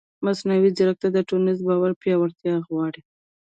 مصنوعي ځیرکتیا د ټولنیز باور پیاوړتیا غواړي.